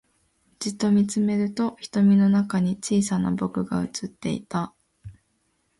じっと見つめると瞳の中に小さな僕が映っていた